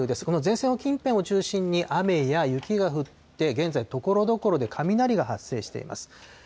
この前線の近辺を中心に雨や雪が降って、現在ところどころで雷が発生しています。